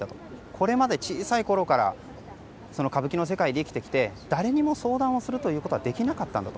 これまで、小さいころから歌舞伎の世界で生きてきて誰にも相談するということができなかったんだと。